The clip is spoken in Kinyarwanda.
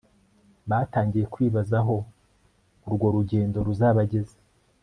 batangiye kwibaza aho urwo rugendo ruzabageza